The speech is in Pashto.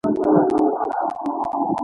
• د شپې د سکون راز په چوپتیا کې دی.